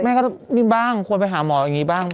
แม่ก็บ้างควรไปหาหมอแบบนี้บ้าง